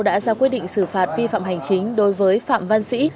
đã ra quyết định xử phạt vi phạm hành chính đối với phạm văn sĩ